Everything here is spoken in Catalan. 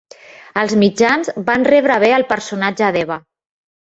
Els mitjans van rebre bé el personatge d'Eva.